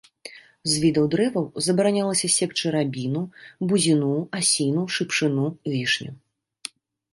З відаў дрэваў забаранялася секчы рабіну, бузіну, асіну, шыпшыну, вішню.